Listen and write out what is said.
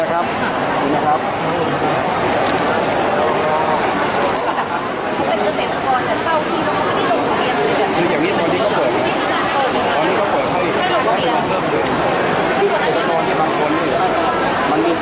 อาหรับเชี่ยวจามันไม่มีควรหยุด